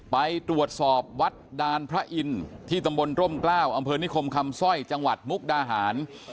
ไปตรวจสอบวัดดานพระอินทร์ที่ตำบลร่มกล้าวอำเภอนิคมคำสร้อยจังหวัดมุกดาหาร